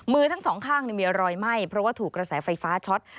มือทั้งสองข้างมีรอยไหม้เพราะว่าถูกกระแสไฟฟ้าช็อต